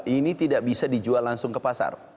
ini tidak bisa dijual langsung ke pasar